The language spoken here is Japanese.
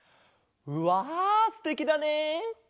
わすてきだね。